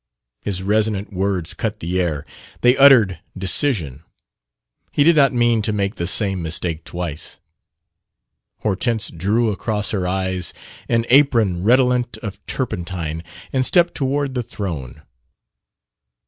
His resonant words cut the air. They uttered decision. He did not mean to make the same mistake twice. Hortense drew across her eyes an apron redolent of turpentine and stepped toward the throne.